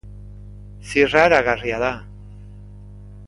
Ziragarria da.